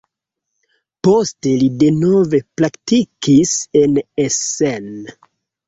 Poste li denove praktikis en Essen.